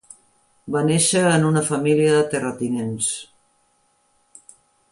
Va néixer en una família de terratinents.